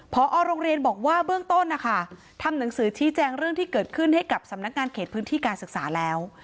พอโรงเรียนบอกว่าเบื้องต้นนะคะทำหนังสือชี้แจงเรื่องที่เกิดขึ้นให้กับสำนักงานเขตพื้นที่การศึกษาแล้ว